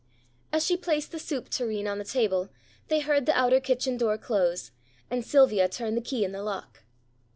As she placed the soup tureen on the table, they heard the outer kitchen door close, and Sylvia turn the key in the lock.